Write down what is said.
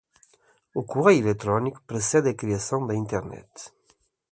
O correio eletrónico precede a criação da Internet.